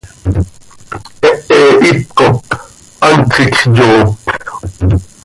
Hehe hipcop hantx iicx yoop.